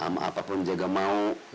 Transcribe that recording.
ramah apapun juga mau